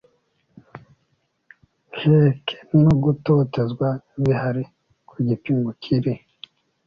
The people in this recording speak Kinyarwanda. nkeke no gutotezwa bihari ku gipimo kiri